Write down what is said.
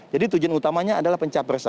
jadi tujuan utamanya adalah pencapresan